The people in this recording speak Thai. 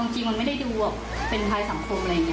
จริงมันไม่ได้ดูแบบเป็นภายสังคมอะไรอย่างนี้